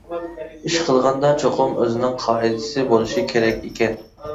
ئىش قىلغاندا چوقۇم ئۆزىنىڭ قائىدىسى بولۇشى كېرەك ئىكەن.